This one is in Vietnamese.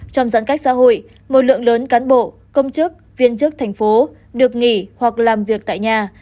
trong giãn cách xã hội một lượng lớn cán bộ công chức viên chức thành phố được nghỉ hoặc làm việc tại nhà